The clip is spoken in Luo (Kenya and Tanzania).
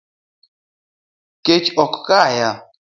Kech ok kaya